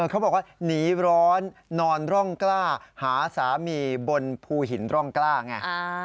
เขาบอกว่าหนีร้อนนอนร่องกล้าหาสามีบนภูหินร่องกล้าไง